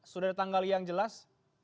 sudah ada tanggal yang jelas